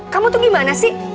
kamu tuh gimana sih